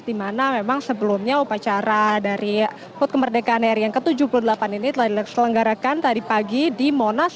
dimana memang sebelumnya upacara dari put kemerdekaan r yang ke tujuh puluh delapan ini telah dilaksanakan tadi pagi di monas